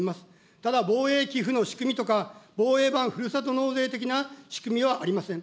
ただ、防衛寄付の仕組みとか、防衛版ふるさと納税的な仕組みはありません。